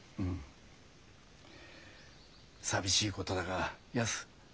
寂しいことだがやす